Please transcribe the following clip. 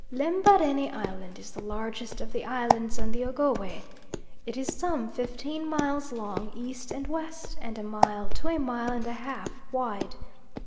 Lembarene Island is the largest of the islands on the Ogowe. It is some fifteen miles long, east and west, and a mile to a mile and a half wide.